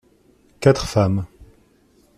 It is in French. Quatre femmes.